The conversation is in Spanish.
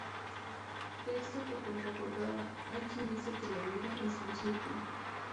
Texto de contraportada: "Hay quien dice que la vida es un círculo.